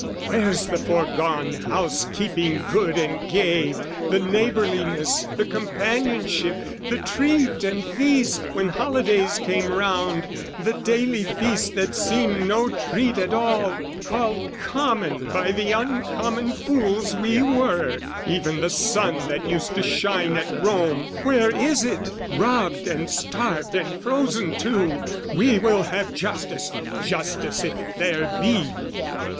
"Where's the foregone housekeeping good and gay, "The neighbourliness, the companionship, "The treat and feast when holidays came round, "The daily feast that seemed no treat at all, "Called common by the uncommon fools we were! "Even the sun that used to shine at Rome, "Where is it? Robbed and starved and frozen too, "We will have justice, justice if there be!"